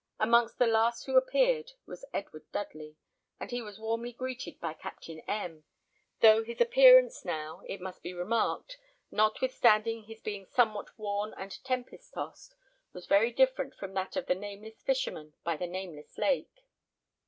Amongst the last who appeared was Edward Dudley, and he was warmly greeted by Captain M , though his appearance now, it must be remarked, notwithstanding his being somewhat worn and tempest tossed, was very different from that of the Nameless Fisherman by the Nameless Lake.